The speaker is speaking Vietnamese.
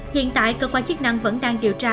hiện tại cơ quan chức năng vẫn đang điều tra